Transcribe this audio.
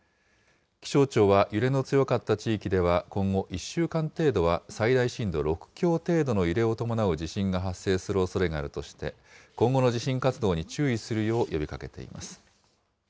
気象庁は揺れの強かった地域では、今後１週間程度は、最大震度６強程度の揺れを伴う地震が発生するおそれがあるとして、今後の地震活動に注意するよう呼びかけています。